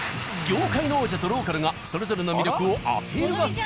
業界の王者とローカルがそれぞれの魅力をアピール合戦！